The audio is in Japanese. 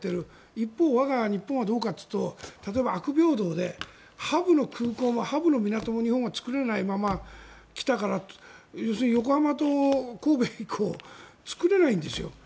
一方、我が日本はどうかというと例えば悪平等でハブの空港もハブの港も日本は作れないまま来たから要するに横浜と神戸以降作れないんですよ。